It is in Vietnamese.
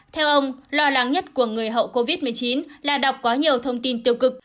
theo ông lo lắng nhất của người hậu covid một mươi chín là đọc quá nhiều thông tin tiêu cực